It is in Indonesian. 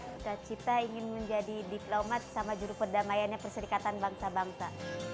sukacita ingin menjadi diplomat sama juru perdamaiannya perserikatan bangsa bangsa